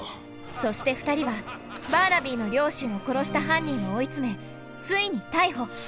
そして２人はバーナビーの両親を殺した犯人を追い詰めついに逮捕。